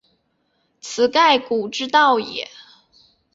此盖古之道也。